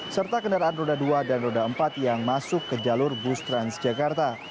serta kendaraan roda dua dan roda empat yang masuk ke jalur bus transjakarta